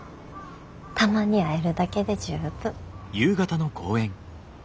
たまに会えるだけで十分。